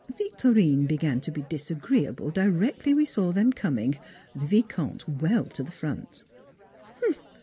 Victorine began to be disagreeable directly we saw them coming, the Vicomte well to the front.